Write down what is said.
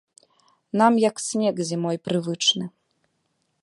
Нам як снег зімой прывычны.